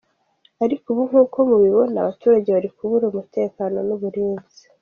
Ariko ubu nk’uko mubibona, abaturage bari kubura umutekano n’uburinzi.